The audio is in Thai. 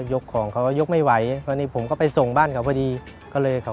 ยกของอยู่เป็นทีวีอย่างใหญ่เลยครับ